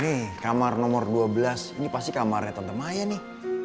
nih kamar nomor dua belas ini pasti kamarnya tante maya nih